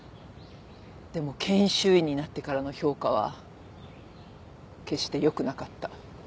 でも研修医になってからの評価は決して良くなかった。